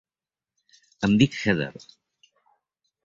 Em dic Heather.